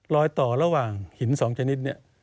รอยต่อระหว่างหิน๒ชนิดเนี่ย